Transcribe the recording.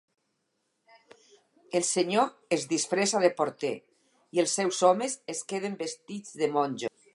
El senyor es disfressa de porter i els seus homes es queden vestits de monjos.